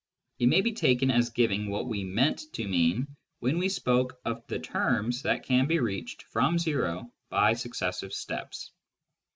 It may be taken as giving what we meant to mean when we spoke of the terms that can be reached from o by successive steps.